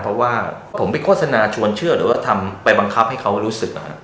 เพราะว่าผมไปโฆษณาชวนเชื่อหรือว่าทำไปบังคับให้เขารู้สึก